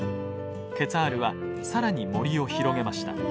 ケツァールは更に森を広げました。